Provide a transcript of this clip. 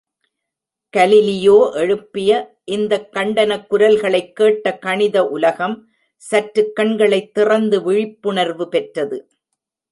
Galileo எழுப்பிய இந்தக் கண்டனக் குரல்களைக் கேட்ட கணித உலகம், சற்றுக்கண்களைத் திறந்து விழிப்புணர்வு பெற்றது!